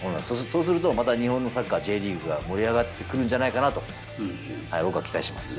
そうするとまた日本のサッカーＪリーグが盛り上がってくるんじゃないかなと僕は期待します。